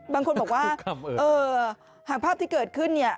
บางคนบอกว่าหากภาพที่เกิดขึ้นเนี่ย